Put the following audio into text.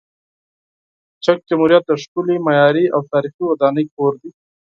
چک جمهوریت د ښکلې معماري او تاریخي ودانۍ کور دی.